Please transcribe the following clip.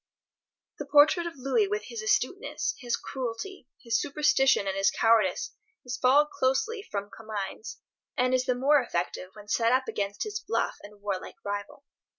The portrait of Louis with his astuteness, his cruelty, his superstition and his cowardice is followed closely from Comines, and is the more effective when set up against his bluff and war like rival.